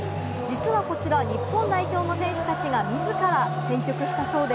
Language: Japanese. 実はこちら日本代表の選手たちが自ら選曲したそうで、